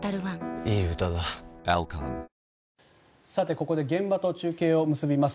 ここで現場と中継を結びます。